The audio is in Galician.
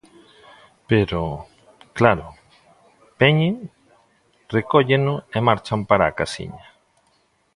Pero, claro, veñen, recólleno e marchan para a casiña.